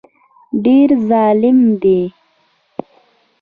ډېر ظالم دی